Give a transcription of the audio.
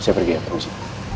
saya pergi ya permisi